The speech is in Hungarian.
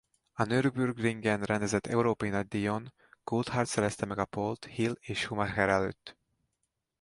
A Nürburgringen rendezett európai nagydíjon Coulthard szerezte meg a pole-t Hill és Schumacher előtt.